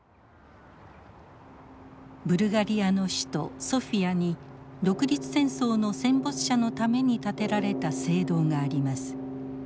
ブルガリアの首都ソフィアに独立戦争の戦没者のために建てられた聖堂があります。